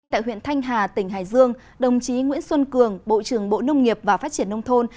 tại huyện thanh hà tỉnh hải dương đồng chí nguyễn xuân cường bộ trưởng bộ nông nghiệp và phát triển nông thôn